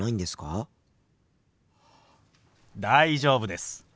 大丈夫です。